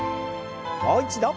もう一度。